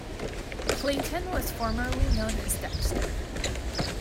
Clayton was formerly known as Dexter.